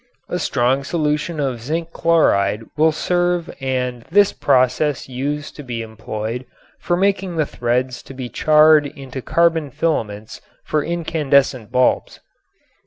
A strong solution of zinc chloride will serve and this process used to be employed for making the threads to be charred into carbon filaments for incandescent bulbs.